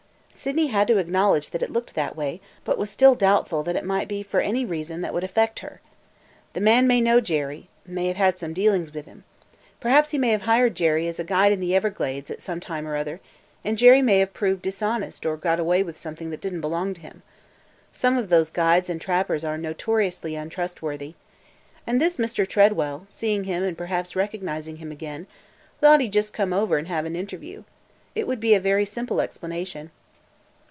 Sydney had to acknowledge that it looked that way, but was still doubtful that it might be for any reason that would affect her. "The man may know Jerry – may have had some dealings with him. Perhaps he may have hired Jerry as guide in the Everglades at some time or other, and Jerry may have proved dishonest or got away with something that did n't belong to him. Some of those guides and trappers are notoriously untrustworthy. And this Mr. Tredwell, seeing him and perhaps recognizing him again, thought he 'd just come over and have an interview. It would be a very simple explanation."